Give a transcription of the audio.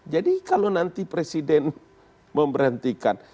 jadi kalau nanti presiden memberhentikan